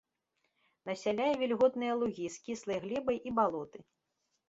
Насяляе вільготныя лугі з кіслай глебай і балоты.